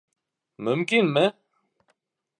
— Мөмкинме?